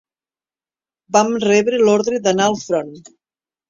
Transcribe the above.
Vam rebre l'ordre d'anar al front